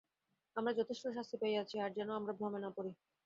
আমরা যথেষ্ট শাস্তি পাইয়াছি, আর যেন আমরা ভ্রমে না পড়ি।